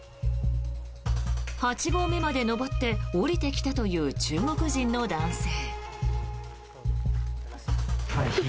八合目まで登って下りてきたという中国人の男性。